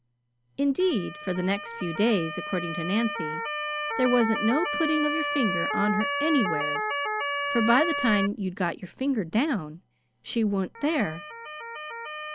Indeed, for the next few days, according to Nancy, "There wasn't no putting of your finger on her anywheres, for by the time you'd got your finger down she wa'n't there."